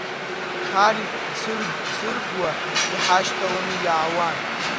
Шарик цырг-цыргуа иҳашьҭаланы иаауан.